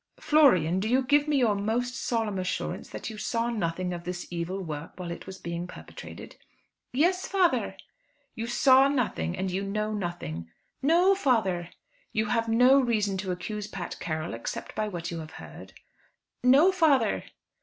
"Florian, do you give me your most solemn assurance that you saw nothing of this evil work while it was being perpetrated?" "Yes, father." "You saw nothing, and you knew nothing?" "No, father." "You have no reason to accuse Pat Carroll, except by what you have heard?" "No, father."